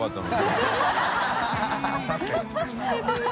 ハハハ